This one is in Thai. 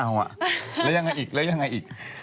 เอ้าอะแล้วยังไงอีก